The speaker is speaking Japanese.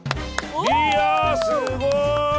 いやすごい！